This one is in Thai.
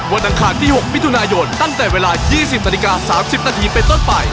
อังคารที่๖มิถุนายนตั้งแต่เวลา๒๐นาฬิกา๓๐นาทีเป็นต้นไป